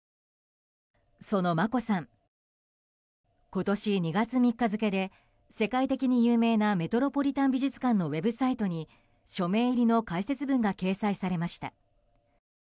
今年２月３日付で世界的に有名なメトロポリタン美術館のウェブサイトに署名入りの解説文が掲載されました。